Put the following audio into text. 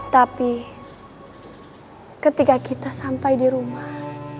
tapi ketika kita sampai di rumah